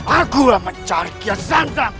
akulah mencari kiasan paman